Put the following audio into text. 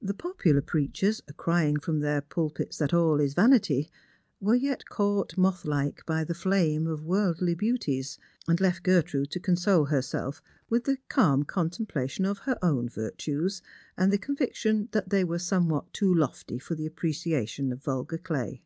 The popular i^reachers, crying from their pulpits that all is vanity, were yet caught, moth like, by the flame of worldly beauties, and left Gertrude to console herself with the calm contemi^lation of her own virtues, and the con viction that they were somewhat too lofty for the appreciation of vulgar clay.